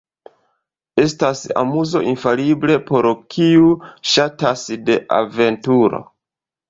Estas amuzo infalible por kiu ŝatas de aventuro.